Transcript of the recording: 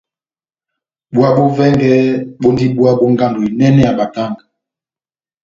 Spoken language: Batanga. Búwa bó vɛngɛ bondi búwa bó ngando enɛnɛ ya batanga.